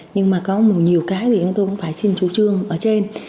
nhưng mà có nhiều cái thì chúng tôi cũng phải xin chủ trương ở trên